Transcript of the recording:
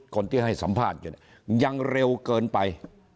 คนที่ให้สัมภาษณ์กัน